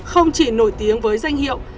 không chỉ nổi tiếng với danh hiệu